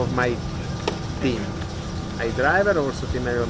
karena sebelumnya saya adalah pengurus tim